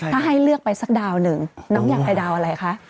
ถ้าให้เลือกไปสักดาวหนึ่งน้องอยากไปดาวอะไรคะ